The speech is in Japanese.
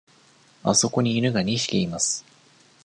あそこに犬が二匹います。